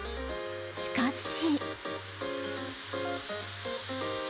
しかし。